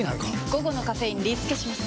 午後のカフェインリスケします！